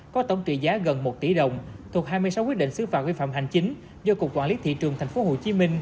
có tổng trị giá gần một tỷ đồng thuộc hai mươi sáu quyết định xứ phạm vi phạm hành chính do cục quản lý thị trường tp hcm